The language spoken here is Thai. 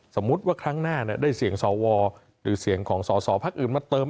สมมุติว่าครั้งหน้าได้เสียงสวหรือเสียงของสอสอพักอื่นมาเติม